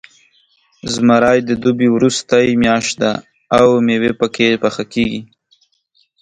زمری د دوبي وروستۍ میاشت ده، او میوې پکې پاخه کېږي.